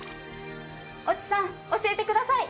越智さん教えてください。